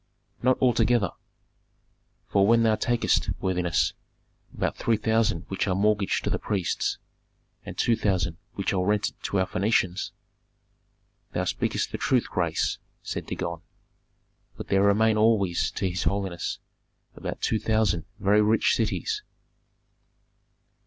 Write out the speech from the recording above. "Not altogether! For when thou takest, worthiness, about three thousand which are mortgaged to the priests, and two thousand which are rented to our Phœnicians " "Thou speakest the truth, grace," said Dagon. "But there remain always to his holiness about two thousand very rich cities."